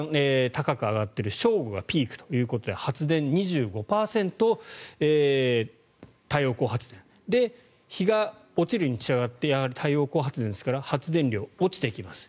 高く上がっている正午がピークということで発電、２５％太陽光発電で、日が落ちるにしたがってやはり太陽光発電ですから発電量、落ちていきます。